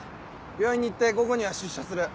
病院に行って午後には出社する。